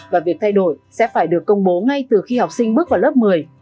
và việc thay đổi sẽ phải được công bố ngay từ khi học sinh bước vào lớp một mươi